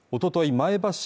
前橋市